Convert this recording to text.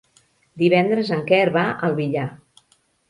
Divendres en Quer va al Villar.